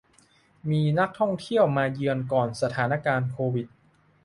แต่มีนักท่องเที่ยวมาเยือนก่อนสถานการณ์โควิด